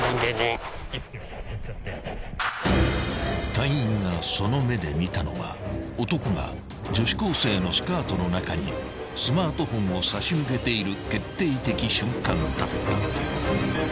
［隊員がその目で見たのは男が女子高生のスカートの中にスマートフォンを差し向けている］